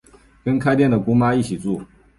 跟开店的姑妈一起住